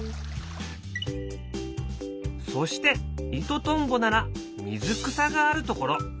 そしてイトトンボなら水草があるところ。